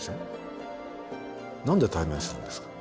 何で対面するんですか？